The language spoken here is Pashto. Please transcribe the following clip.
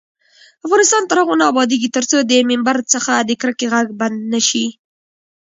افغانستان تر هغو نه ابادیږي، ترڅو د ممبر څخه د کرکې غږ بند نشي.